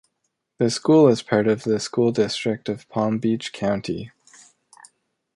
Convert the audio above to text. The school is a part of the School District of Palm Beach County.